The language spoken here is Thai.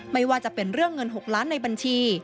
ไม่ว่าจะเป็นเรื่องเงิน๖ล้านในบัญชี